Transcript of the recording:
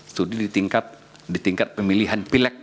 studi di tingkat pemilihan pilek